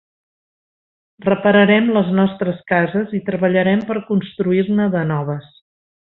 Repararem les nostres cases i treballarem per construir-ne de noves.